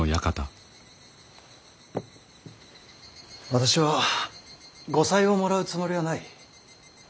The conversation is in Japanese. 私は後妻をもらうつもりはない。